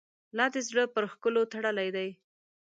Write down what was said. لا دي زړه پر ښکلو تړلی دی.